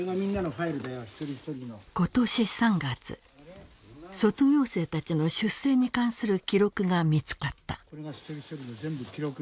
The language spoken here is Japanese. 今年３月卒業生たちの出生に関する記録が見つかった。